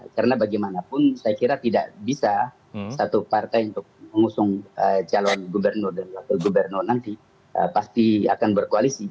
karena bagaimanapun saya kira tidak bisa satu partai untuk mengusung calon gubernur dan wakil gubernur nanti pasti akan berkoalisi